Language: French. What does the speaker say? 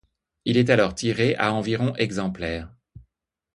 Il est alors tiré à environ exemplaires.